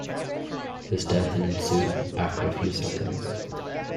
His death ensued after a few seconds.